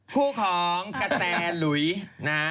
คู่ของกะแป๋ลุยนะ